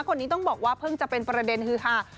คนนี้ต้องบอกว่าเพิ่งจะเป็นประเด็นฮือฮา